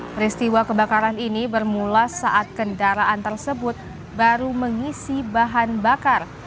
peristiwa kebakaran ini bermula saat kendaraan tersebut baru mengisi bahan bakar